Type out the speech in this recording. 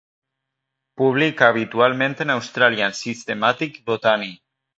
Publica habitualmente en Australian Systematic Botany.